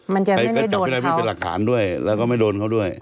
มันจะไม่ได้โดนเขา